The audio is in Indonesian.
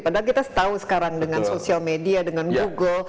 padahal kita tahu sekarang dengan social media dengan google